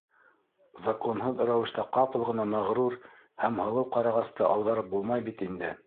Законһыҙ рәүештә ҡапыл ғына мәғрур һәм һылыу ҡарағасты ауҙарып булмай бит инде.